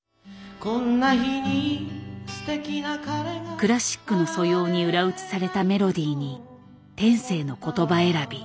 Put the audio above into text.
クラシックの素養に裏打ちされたメロディーに天性の言葉選び。